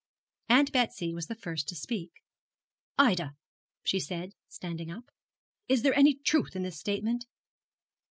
Aunt Betsy was the first to speak, 'Ida,' she said, standing up, 'is there any truth in this statement?'